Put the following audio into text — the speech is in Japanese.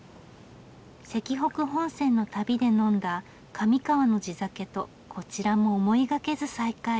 石北本線の旅で呑んだ上川の地酒とこちらも思いがけず再会。